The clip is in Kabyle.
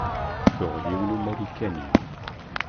Tuɣ yiwen n Umarikani.